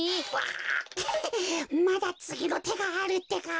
あまだつぎのてがあるってか。